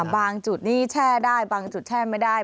จุดนี้แช่ได้บางจุดแช่ไม่ได้